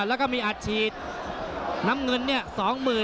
แล้วทีมงานน่าสื่อ